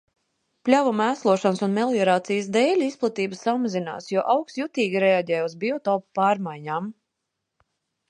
Pļavu mēslošanas un meliorācijas dēļ izplatība samazinās, jo augs jutīgi reaģē uz biotopa pārmaiņām.